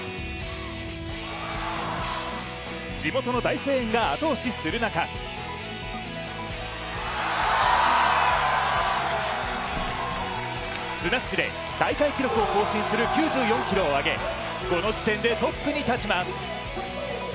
地元の大声援が後押しする中スナッチで大会記録を更新する９４ｋｇを挙げこの時点でトップに立ちます。